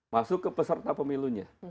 masuk ke peserta pemilunya